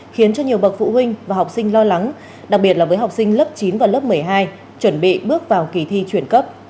khiến cho nhiều bậc phụ huynh và học sinh lo lắng đặc biệt là với học sinh lớp chín và lớp một mươi hai chuẩn bị bước vào kỳ thi chuyển cấp